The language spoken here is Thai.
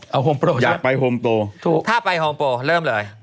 เอาโฮมโปรใช่มะถูกถ้าไปโฮมโปรเริ่มเลย